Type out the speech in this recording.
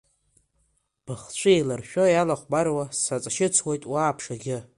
Быхцәы еиларшәшәо иалахәмаруа, саҵашьыцуеит уа аԥша-ӷьы.